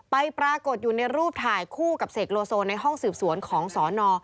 ปรากฏอยู่ในรูปถ่ายคู่กับเสกโลโซในห้องสืบสวนของสน